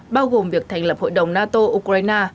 bao gồm việc thành lập hội đồng nato ukraine